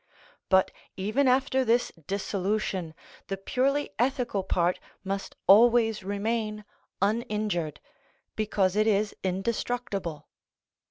But even after this dissolution the purely ethical part must always remain uninjured, because it is indestructible.